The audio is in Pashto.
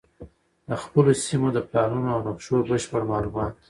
د خپلو سیمو د پلانونو او نقشو بشپړ معلومات